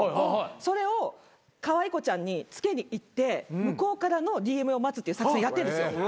それをかわいこちゃんにつけにいって向こうからのＤＭを待つっていう作戦やってんですよ。